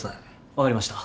分かりました。